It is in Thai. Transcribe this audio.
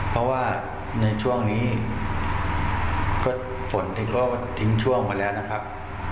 เพราะว่าในช่วงนี้ก็ฝนที่ก็ทิ้งช่วงไปแล้วนะครับ